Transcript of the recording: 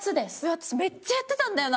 私めっちゃやってたんだよな。